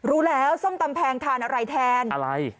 รู้แล้วส้มตำแพงทานอะไรแทนอะไร